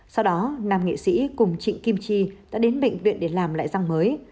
sau đó nam nghị sĩ cùng trịnh kim chi đã đến bệnh viện để làm lại giang mới